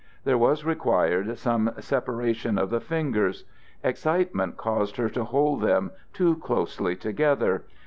There was required some separation of the fingers; excitement caused her to hold them too closely together.